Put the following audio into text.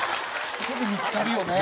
すぐ見付かるよね。